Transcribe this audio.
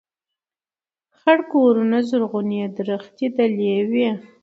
خړ کورونه زرغونې درختي دلې وې